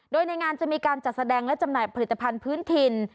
โดยในงานจะมีการจัดแสดงและจำหน่ายผลิตภัณฑ์พื้นถิ่น